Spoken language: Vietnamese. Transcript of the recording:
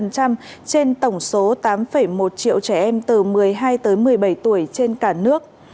trên tổng số tám một triệu trẻ em từ một mươi hai tới một mươi bảy tuổi trên cả nước